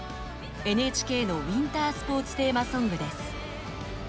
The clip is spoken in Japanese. ＮＨＫのウィンタースポーツテーマソングです。